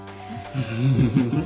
フフフフ。